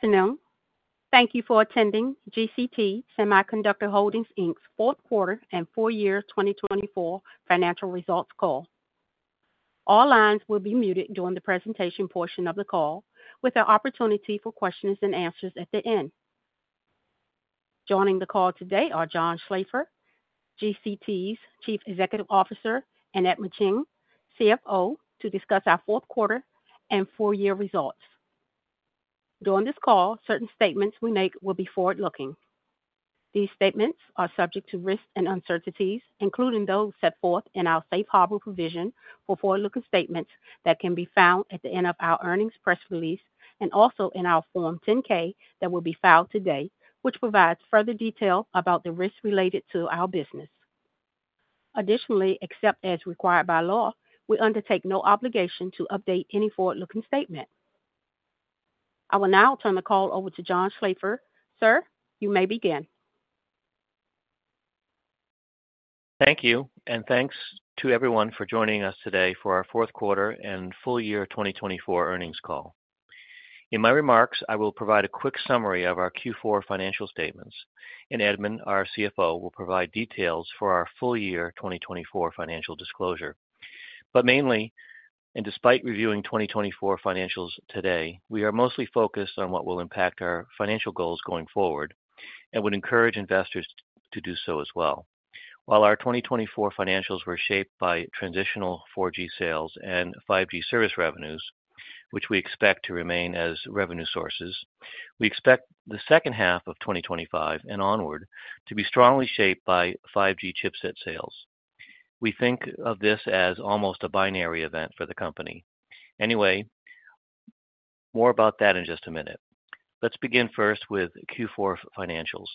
Good afternoon. Thank you for attending GCT Semiconductor Holdings' Q4 and full-year 2024 financial results call. All lines will be muted during the presentation portion of the call, with an opportunity for questions and answers at the end. Joining the call today are John Schlaefer, GCT's Chief Executive Officer, and Edmond Cheng, CFO, to discuss our Q4 and full-year results. During this call, certain statements we make will be forward-looking. These statements are subject to risks and uncertainties, including those set forth in our safe harbor provision for forward-looking statements that can be found at the end of our earnings press release and also in our Form 10-K that will be filed today, which provides further detail about the risks related to our business. Additionally, except as required by law, we undertake no obligation to update any forward-looking statement. I will now turn the call over to John Schlaefer. Sir, you may begin. Thank you, and thanks to everyone for joining us today for our Q4 and full-year 2024 earnings call. In my remarks, I will provide a quick summary of our Q4 financial statements, and Edmond, our CFO, will provide details for our full-year 2024 financial disclosure. But mainly, and despite reviewing 2024 financials today, we are mostly focused on what will impact our financial goals going forward and would encourage investors to do so as well. While our 2024 financials were shaped by transitional 4G sales and 5G service revenues, which we expect to remain as revenue sources, we expect the second half of 2025 and onward to be strongly shaped by 5G chipset sales. We think of this as almost a binary event for the company. Anyway, more about that in just a minute. Let's begin first with Q4 financials.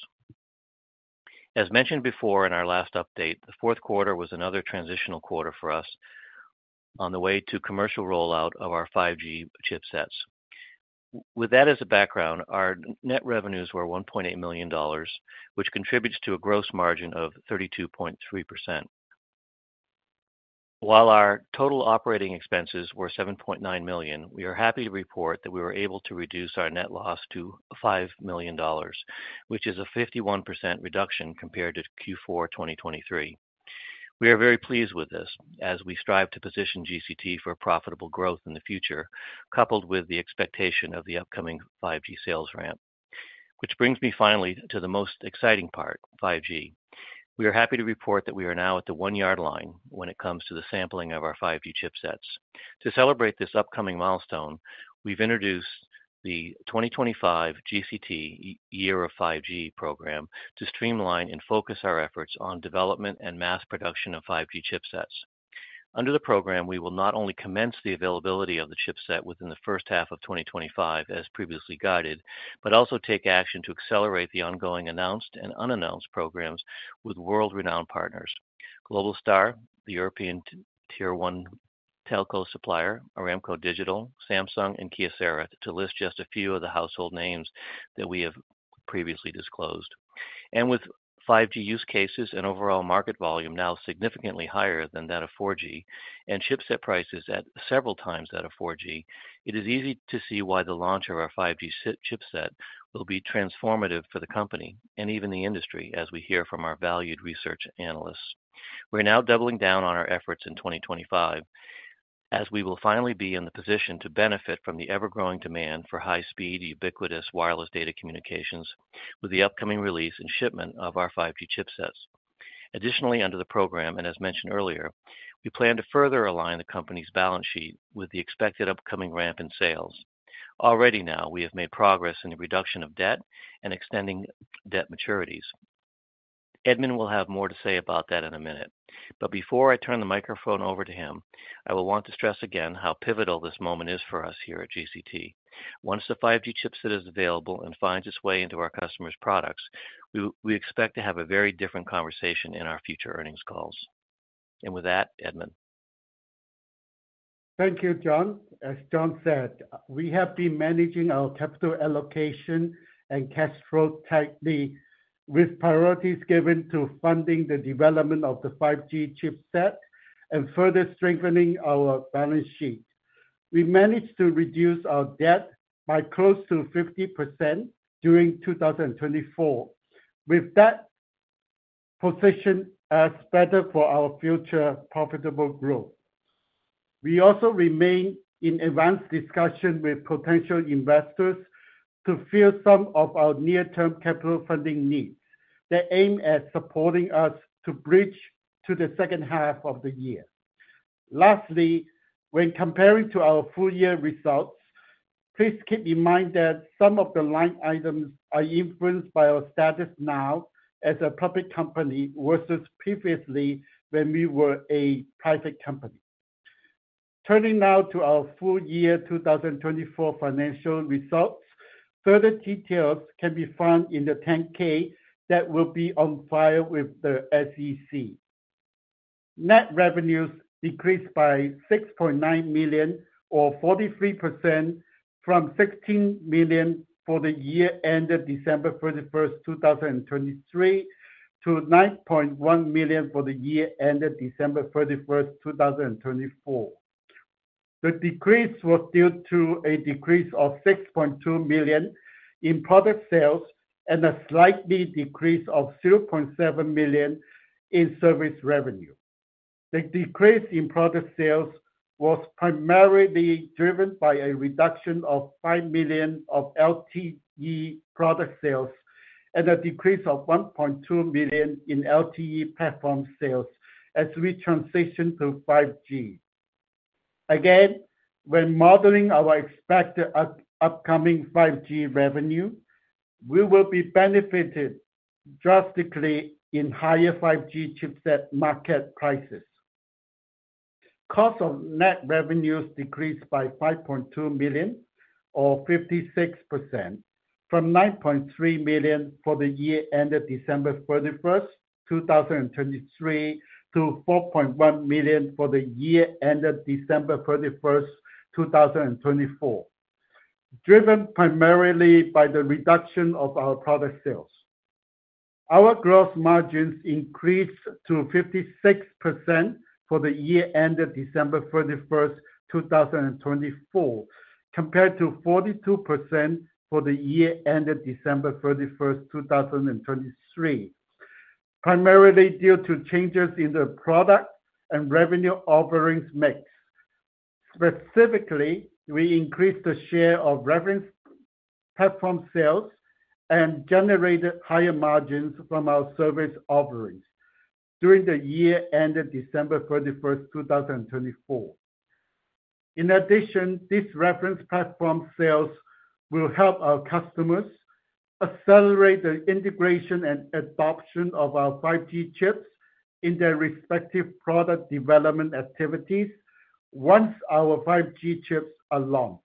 As mentioned before in our last update, the Q4 was another transitional quarter for us on the way to commercial rollout of our 5G chipsets. With that as a background, our net revenues were $1.8 million, which contributes to a gross margin of 32.3%. While our total operating expenses were $7.9 million, we are happy to report that we were able to reduce our net loss to $5 million, which is a 51% reduction compared to Q4 2023. We are very pleased with this as we strive to position GCT for profitable growth in the future, coupled with the expectation of the upcoming 5G sales ramp. Which brings me finally to the most exciting part, 5G. We are happy to report that we are now at the one-yard line when it comes to the sampling of our 5G chipsets. To celebrate this upcoming milestone, we've introduced the 2025 GCT Year of 5G program to streamline and focus our efforts on development and mass production of 5G chipsets. Under the program, we will not only commence the availability of the chipset within the first half of 2025, as previously guided, but also take action to accelerate the ongoing announced and unannounced programs with world-renowned partners: Globalstar, the European Tier 1 telco supplier, Aramco Digital, Samsung, and Kyocera, to list just a few of the household names that we have previously disclosed. With 5G use cases and overall market volume now significantly higher than that of 4G and chipset prices at several times that of 4G. It is easy to see why the launch of our 5G chipset will be transformative for the company and even the industry, as we hear from our valued research analysts. We're now doubling down on our efforts in 2025 as we will finally be in the position to benefit from the ever-growing demand for high-speed, ubiquitous wireless data communications with the upcoming release and shipment of our 5G chipsets. Additionally, under the program, and as mentioned earlier, we plan to further align the company's balance sheet with the expected upcoming ramp in sales. Already now, we have made progress in the reduction of debt and extending debt maturities. Edmond will have more to say about that in a minute. But before I turn the microphone over to him, I want to stress again how pivotal this moment is for us here at GCT. Once the 5G chipset is available and finds its way into our customers' products, we expect to have a very different conversation in our future earnings calls. With that, Edmond. Thank you, John. As John said, we have been managing our capital allocation and cash flow tightly, with priorities given to funding the development of the 5G chipset and further strengthening our balance sheet. We managed to reduce our debt by close to 50% during 2024, with that position as better for our future profitable growth. We also remain in advanced discussion with potential investors to fill some of our near-term capital funding needs that aim at supporting us to bridge to the second half of the year. Lastly, when comparing to our full-year results, please keep in mind that some of the line items are influenced by our status now as a public company versus previously when we were a private company. Turning now to our full-year 2024 financial results, further details can be found in the Form 10-K that will be on file with the SEC. Net revenues decreased by $6.9 million or 43% from $16 million for the year ended 31 December 2023, to $9.1 million for the year ended 31 December 2024. The decrease was due to a decrease of $6.2 million in product sales and a slight decrease of $0.7 million in service revenue. The decrease in product sales was primarily driven by a reduction of $5 million of LTE product sales and a decrease of $1.2 million in LTE platform sales as we transition to 5G. Again, when modeling our expected upcoming 5G revenue, we will be benefited drastically in higher 5G chipset market prices. Cost of net revenues decreased by $5.2 million, or 56%, from $9.3 million for the year ended 31 December 2023, to $4.1 million for the year ended 31 December 2024, driven primarily by the reduction of our product sales. Our gross margins increased to 56% for the year ended 31 December 2024, compared to 42% for the year ended 31 December 2023, primarily due to changes in the product and revenue offerings mix. Specifically, we increased the share of reference platform sales and generated higher margins from our service offerings during the year ended 31 December 2024. In addition, these reference platform sales will help our customers accelerate the integration and adoption of our 5G chips in their respective product development activities once our 5G chips are launched.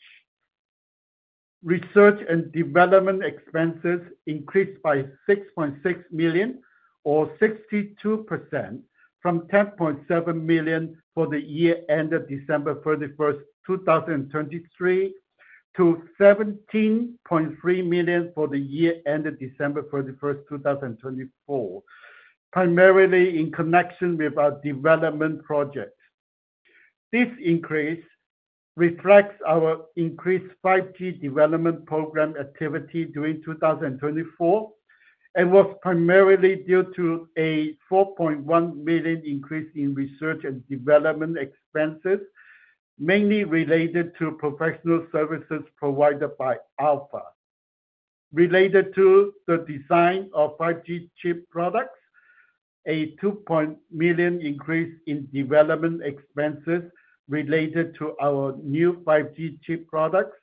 Research and development expenses increased by $6.6 million or 62%, from $10.7 million for the year ended 31 December 2023, to $17.3 million for the year ended 31 December 2024, primarily in connection with our development projects. This increase reflects our increased 5G development program activity during 2024 and was primarily due to a $4.1 million increase in research and development expenses, mainly related to professional services provided by Alpha. Related to the design of 5G chip products, a $2.1 million increase in development expenses related to our new 5G chip products,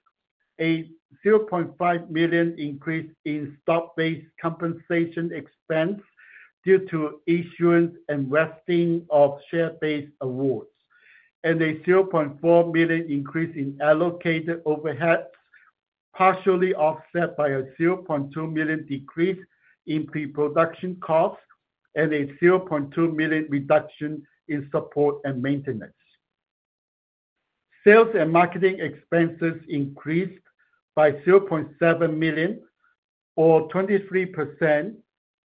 a $0.5 million increase in stock-based compensation expense due to issuance and vesting of share-based awards, and a $0.4 million increase in allocated overheads, partially offset by a $0.2 million decrease in pre-production costs, and a $0.2 million reduction in support and maintenance. Sales and marketing expenses increased by $0.7 million, or 23%,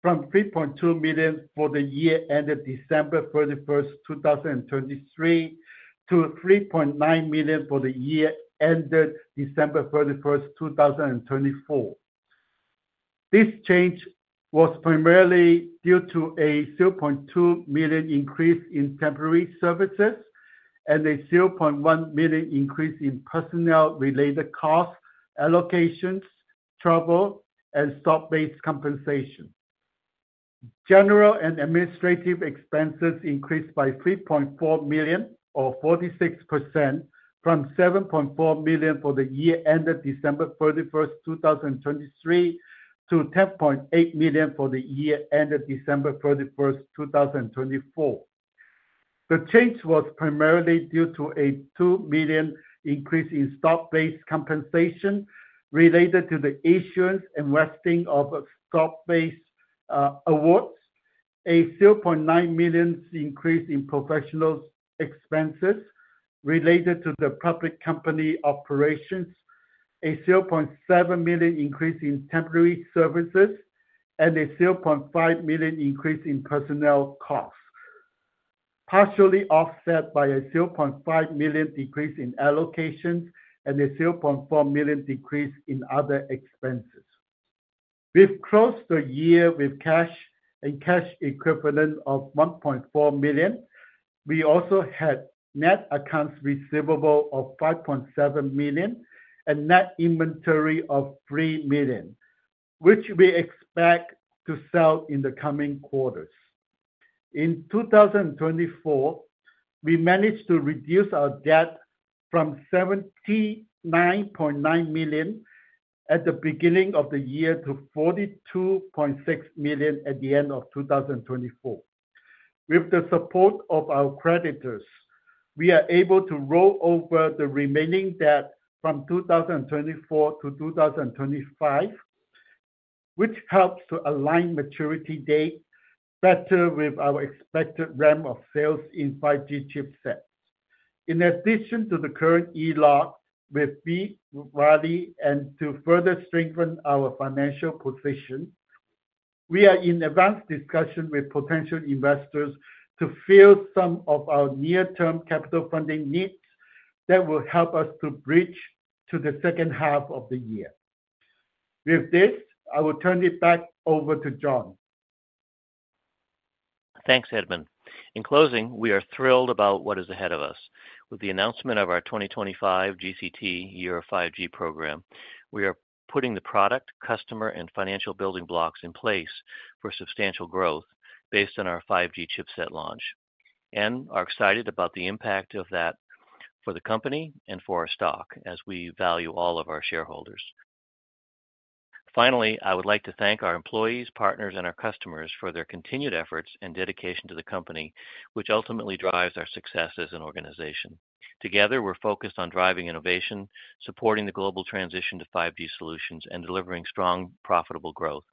from $3.2 million for the year ended 31 December 31 2023, to $3.9 million for the year ended 31 December 2024. This change was primarily due to a $0.2 million increase in temporary services and a $0.1 million increase in personnel-related cost allocations, travel, and stock-based compensation. General and administrative expenses increased by $3.4 million, or 46%, from $7.4 million for the year ended 31 December 2023, to $10.8 million for the year ended 31 December 2024. The change was primarily due to a $2 million increase in stock-based compensation related to the issuance and vesting of stock-based awards, a $0.9 million increase in professional expenses related to the public company operations, a $0.7 million increase in temporary services, and a $0.5 million increase in personnel costs, partially offset by a $0.5 million decrease in allocations and a $0.4 million decrease in other expenses. We've closed the year with cash and cash equivalent of $1.4 million. We also had net accounts receivable of $5.7 million and net inventory of $3 million, which we expect to sell in the coming quarters. In 2024, we managed to reduce our debt from $79.9 million at the beginning of the year to $42.6 million at the end of 2024. With the support of our creditors, we are able to roll over the remaining debt from 2024 to 2025, which helps to align maturity date better with our expected ramp of sales in 5G chipsets. In addition to the current ELOC with B. Riley, and to further strengthen our financial position, we are in advanced discussion with potential investors to fill some of our near-term capital funding needs that will help us to bridge to the second half of the year. With this, I will turn it back over to John. Thanks, Edmond. In closing, we are thrilled about what is ahead of us. With the announcement of our 2025 GCT Year of 5G program, we are putting the product, customer, and financial building blocks in place for substantial growth based on our 5G chipset launch, and are excited about the impact of that for the company and for our stock, as we value all of our shareholders. Finally, I would like to thank our employees, partners, and our customers for their continued efforts and dedication to the company, which ultimately drives our success as an organization. Together, we're focused on driving innovation, supporting the global transition to 5G solutions, and delivering strong, profitable growth.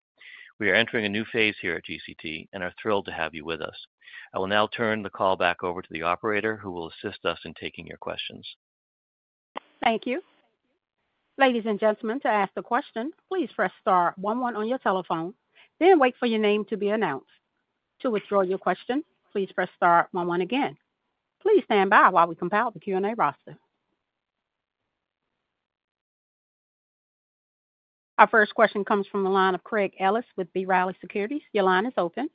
We are entering a new phase here at GCT and are thrilled to have you with us. I will now turn the call back over to the operator, who will assist us in taking your questions. Thank you. Ladies and gentlemen, to ask a question, please press star one one on your telephone, then wait for your name to be announced. To withdraw your question, please press star one one again. Please stand by while we compile the Q&A roster. Our first question comes from Craig Ellis with B. Riley Securities. Your line is open.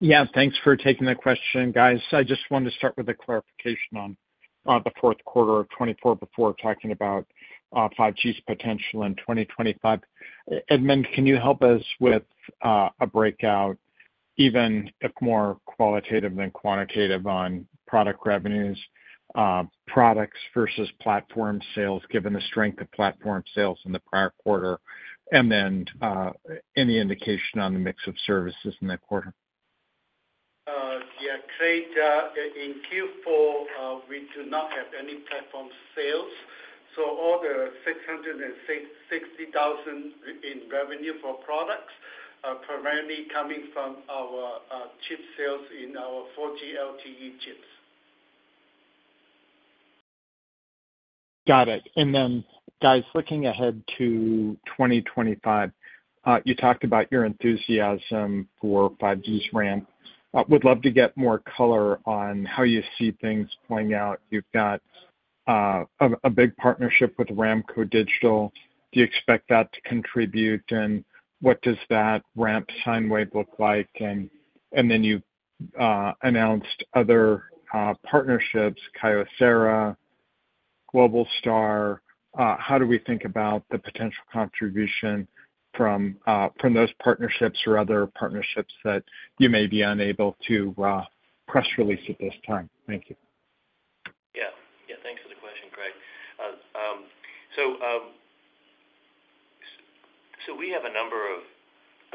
Yeah, thanks for taking the question, guys. I just wanted to start with a clarification on the Q4 of 2024 before talking about 5G's potential in 2025. Edmond, can you help us with a breakout, even if more qualitative than quantitative, on product revenues, products versus platform sales, given the strength of platform sales in the prior quarter, and then any indication on the mix of services in that quarter? Yeah, Craig, in Q4, we do not have any platform sales. All the $660,000 in revenue for products are primarily coming from our chip sales in our 4G LTE chips. Got it. Guys, looking ahead to 2025, you talked about your enthusiasm for 5G's ramp. Would love to get more color on how you see things playing out. You have a big partnership with Aramco Digital. Do you expect that to contribute? What does that ramp sine wave look like? You announced other partnerships, Kyocera, Globalstar. How do we think about the potential contribution from those partnerships or other partnerships that you may be unable to press release at this time? Thank you. Yeah, yeah, thanks for the question, Craig. We have a number of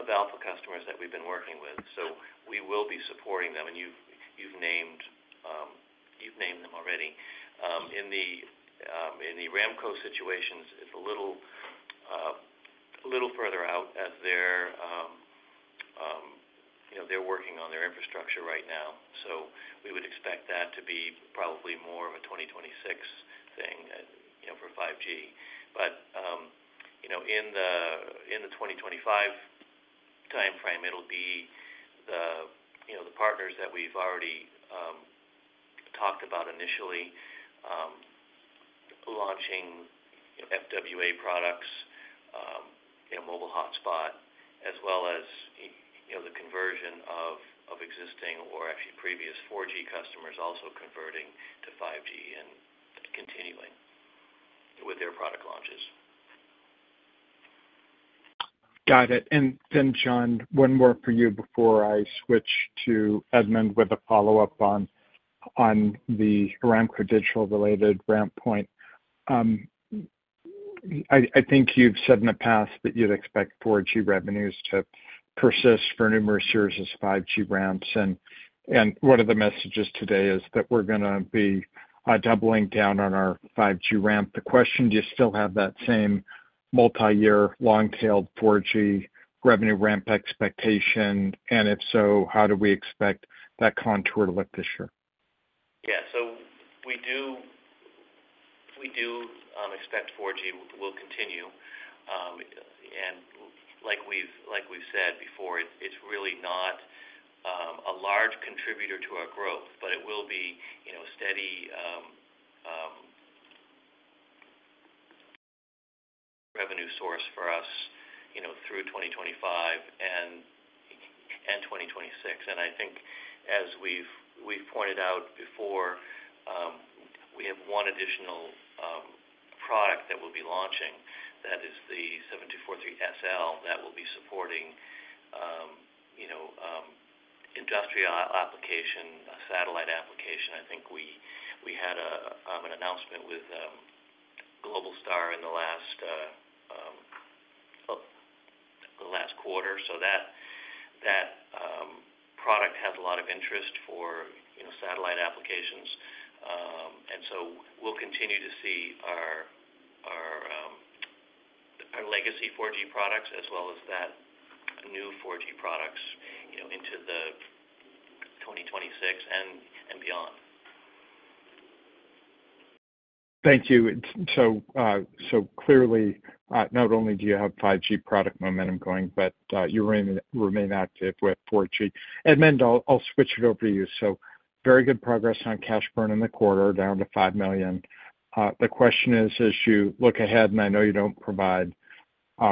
Alpha customers that we've been working with, so we will be supporting them. You've named them already. In the Aramco situation, it's a little further out as they're working on their infrastructure right now. We would expect that to be probably more of a 2026 thing for 5G. In the 2025 timeframe, it'll be the partners that we've already talked about initially launching FWA products, mobile hotspot, as well as the conversion of existing or actually previous 4G customers also converting to 5G and continuing with their product launches. Got it. John, one more for you before I switch to Edmond with a follow-up on the Aramco Digital-related ramp point. I think you've said in the past that you'd expect 4G revenues to persist for numerous years as 5G ramps. One of the messages today is that we're going to be doubling down on our 5G ramp. The question, do you still have that same multi-year long-tailed 4G revenue ramp expectation? If so, how do we expect that contour to look this year? Yeah, we do expect 4G will continue. Like we've said before, it's really not a large contributor to our growth, but it will be a steady revenue source for us through 2025 and 2026. I think, as we've pointed out before, we have one additional product that we'll be launching that is the GDM7243SL that will be supporting industrial application, satellite application. I think we had an announcement with Globalstar in the last quarter. That product has a lot of interest for satellite applications. We will continue to see our legacy 4G products as well as that new 4G products into 2026 and beyond. Thank you. Clearly, not only do you have 5G product momentum going, but you remain active with 4G. Edmond, I'll switch it over to you. Very good progress on cash burn in the quarter, down to $5 million. The question is, as you look ahead, and I know you do not provide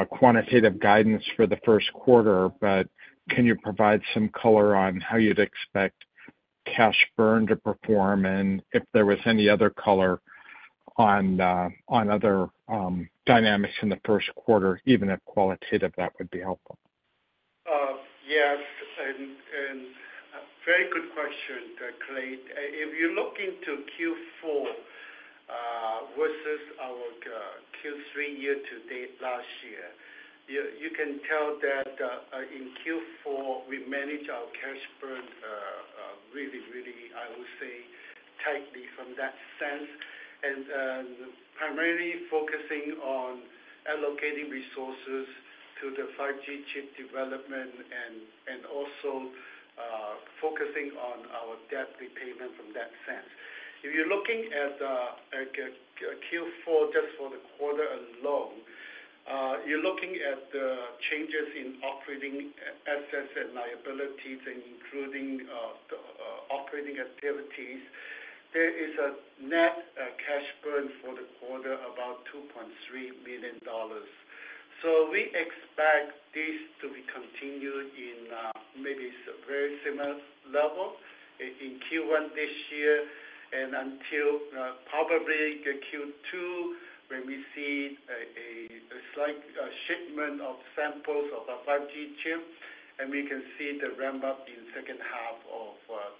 quantitative guidance for the Q1, can you provide some color on how you would expect cash burn to perform? If there was any other color on other dynamics in the Q1, even if qualitative, that would be helpful. Yeah, very good question, Craig. If you look into Q4 versus our Q3 year-to-date last year, you can tell that in Q4, we managed our cash burn really, really, I would say, tightly from that sense, and primarily focusing on allocating resources to the 5G chip development and also focusing on our debt repayment from that sense. If you're looking at Q4 just for the quarter alone, you're looking at the changes in operating assets and liabilities, including operating activities, there is a net cash burn for the quarter of about $2.3 million. We expect this to be continued in maybe a very similar level in Q1 this year and until probably Q2, when we see a slight shipment of samples of a 5G chip, and we can see the ramp up in the second half of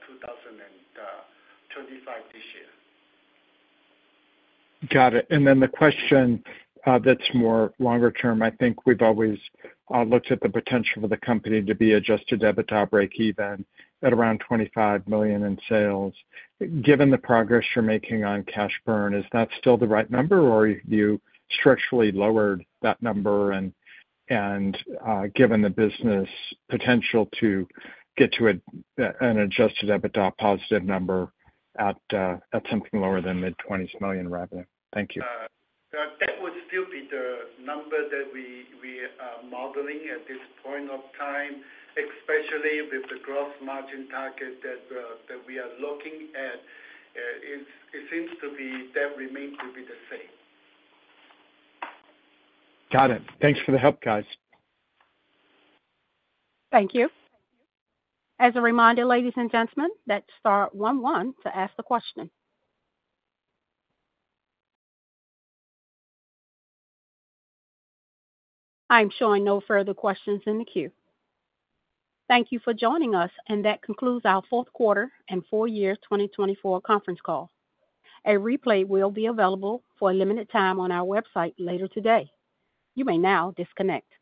2025 this year. Got it. The question that's more longer term, I think we've always looked at the potential for the company to be adjusted EBITDA break-even at around $25 million in sales. Given the progress you're making on cash burn, is that still the right number, or have you structurally lowered that number? Given the business potential to get to an adjusted EBITDA positive number at something lower than mid-$20 million revenue? Thank you. That would still be the number that we are modeling at this point of time, especially with the gross margin target that we are looking at. It seems to be that remains to be the same. Got it. Thanks for the help, guys. Thank you. As a reminder, ladies and gentlemen, that's star one one to ask the question. I'm showing no further questions in the queue. Thank you for joining us, and that concludes our Q4 and full-year 2024 conference call. A replay will be available for a limited time on our website later today. You may now disconnect.